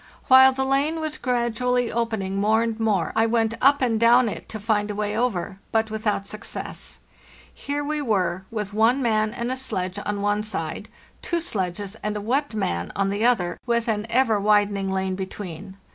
While the lane was gradually opening more and more, I went up and down it to find a way over, but without success. Here we were, with one man and a sledge on one side, two sledges and a wet man on the other, with an ever widen ing lane between.